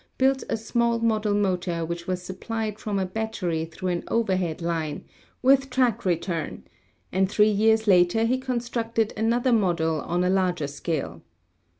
built a small model motor which was supplied from a battery through an overhead line, with track return, and three years later he constructed another model on a larger 282 ELECTRICITY scale.